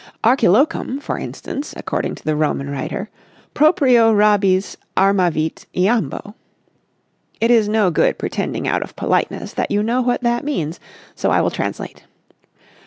Archilochum, for instance, according to the Roman writer, proprio rabies armavit iambo. It is no good pretending out of politeness that you know what that means, so I will translate.